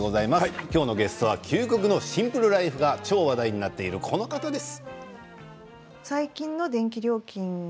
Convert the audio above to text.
今日の人は究極のシンプルライフ、話題になっているこの方です。